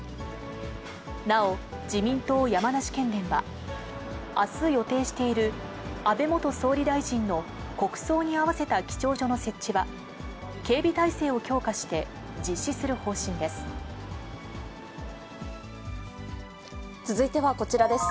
なお、自民党山梨県連は、あす予定している安倍元総理大臣の国葬に合わせた記帳所の設置は、警備体制を強化して、実施する方針です。